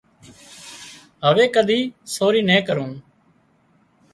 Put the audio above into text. هوي ڪۮي سوري نين ڪرون